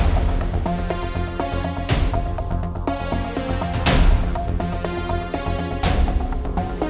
sunday attack disitu banget